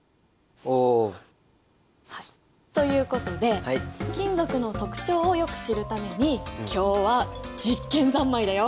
はいということで金属の特徴をよく知るために今日は実験三昧だよ！